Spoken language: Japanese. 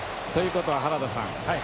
ということは原田さん